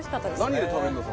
何で食べるの？